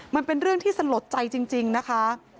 มันเป็นเรื่องที่สลดใจจริงนะคะ